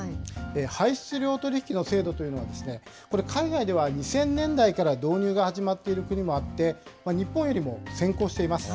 排出量取引の制度というのは、これ、海外では２０００年代から導入が始まっている国もあって、日本よりも先行しています。